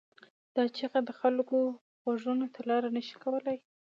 دا چیغه د خلکو غوږونو ته لاره نه شي کولای.